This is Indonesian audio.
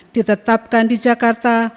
ditetapkan di jakarta